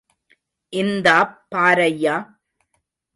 இந்தாப் பாரய்யா.